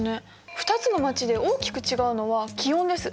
２つの街で大きく違うのは気温です。